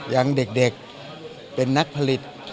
ยังเด็กเป็นนักผลิต